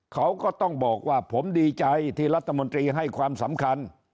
เขาก็ต้องบอกว่าผมดีใจที่รัฐมนตรีให้ความสำคัญ